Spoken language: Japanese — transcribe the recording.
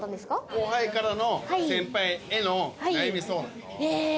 後輩からの先輩への悩み相談。